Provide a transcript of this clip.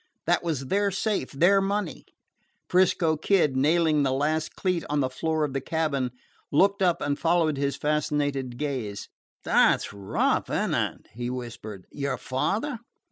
That was their safe, their money! 'Frisco Kid, nailing the last cleat on the floor of the cabin, looked up and followed his fascinated gaze. "That 's rough, is n't it," he whispered. "Your father?"